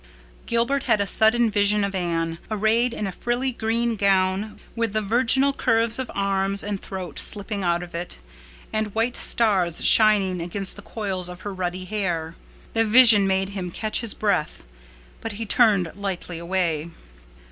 Gilbert had a sudden vision of Anne, arrayed in a frilly green gown, with the virginal curves of arms and throat slipping out of it, and white stars shining against the coils of her ruddy hair. The vision made him catch his breath. But he turned lightly away.